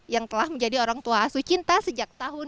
yang telah menjadi orang tua asuh cinta sejak tahun dua ribu